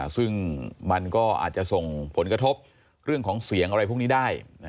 ซึ่งมันก็อาจจะส่งผลกระทบเรื่องของเสียงอะไรพวกนี้ได้